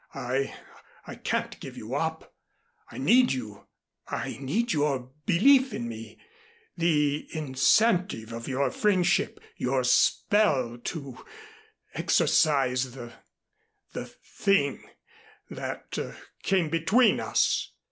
I I can't give you up I need you. I need your belief in me, the incentive of your friendship, your spell to exorcise the the Thing that came between us."